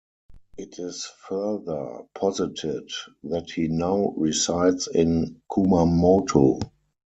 It is further posited that he now resides in Kumamoto.